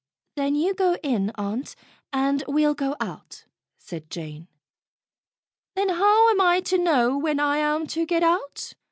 "Then you go in, aunt, and we'll go out," said Jane. "Then how am I to know where I am to get out